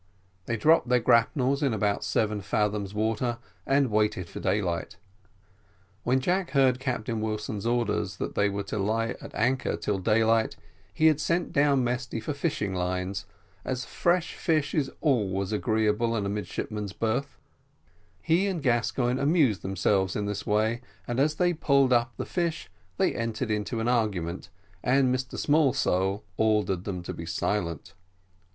They dropped their grapnels in about seven fathoms water and waited for daylight. When Jack heard Captain Wilson's orders that they were to lie at anchor till daylight he had sent down Mesty for fishing lines, as fresh fish is always agreeable in a midshipman's berth: he and Gascoigne amused themselves this way, and as they pulled up the fish they entered into an argument, and Mr Smallsole ordered them to be silent.